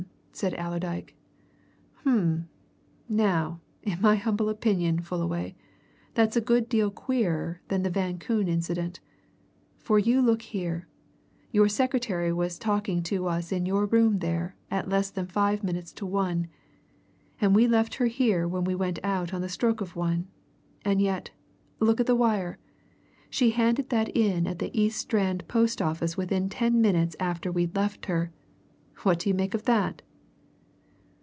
said Allerdyke. "Um! Now, in my humble opinion, Fullaway, that's a good deal queerer than the Van Koon incident. For look you here your secretary was talking to us in your room there at less than five minutes to one, and we left her here when we went out on the stroke of one. And yet look at the wire! she handed that in at the East Strand post office within ten minutes after we'd left her! What do you make of that?"